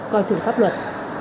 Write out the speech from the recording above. coi thường pháp luật